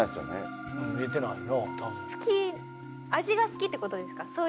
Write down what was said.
味が好きってことですか？